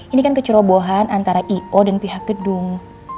ini kan kecerobohan antara i o dan pihak gedung